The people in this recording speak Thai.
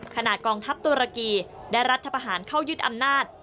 กองทัพตุรกีได้รัฐประหารเข้ายึดอำนาจ